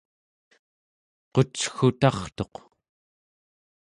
qucgutartuq